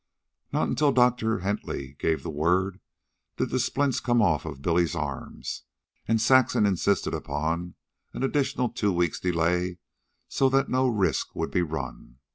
Not until Doctor Hentley gave the word did the splints come off Billy's arms, and Saxon insisted upon an additional two weeks' delay so that no risk would be run.